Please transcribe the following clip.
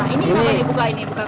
ini kenapa dibuka ini